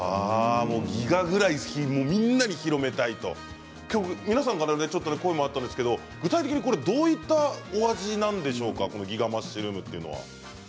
ギガぐらいみんなに広めたいと皆さんから声があったんですけど具体的にどういった味なんでしょうかギガマッシュルームは。